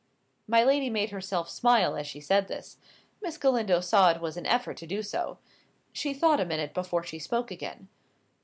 My lady made herself smile as she said this. Miss Galindo saw it was an effort to do so. She thought a minute before she spoke again.